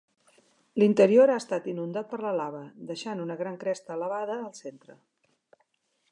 L'interior ha estat inundat per la lava, deixant una gran cresta elevada al centre.